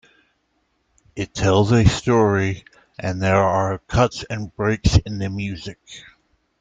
It tells a story, and there are cuts and breaks in the music.